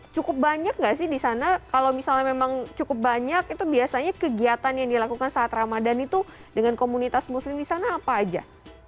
cukup banyak nggak sih di sana kalau misalnya memang cukup banyak itu biasanya kegiatan yang dilakukan saat ramadhan itu dengan komunitas muslim di sana apa aja